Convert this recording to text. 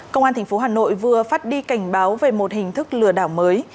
công an tp hà nội vừa phát đi cảnh báo về một hình thức lừa đảo mới